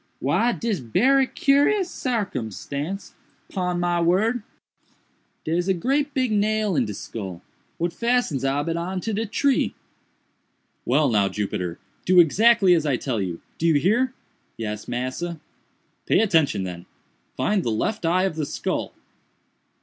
Why dis berry curous sarcumstance, pon my word—dare's a great big nail in de skull, what fastens ob it on to de tree." "Well now, Jupiter, do exactly as I tell you—do you hear?" "Yes, massa." "Pay attention, then—find the left eye of the skull."